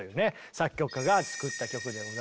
作曲家が作った曲でございます。